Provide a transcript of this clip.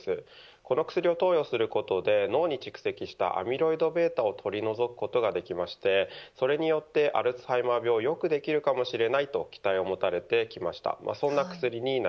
この薬を投与することで脳に蓄積したアミロイドβを取り除くことができましてそれによってアルツハイマー病を良くできるかもしれない、と期待を持たれてきました。